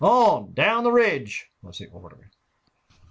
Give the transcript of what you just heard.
"On down the ridge!" was the order.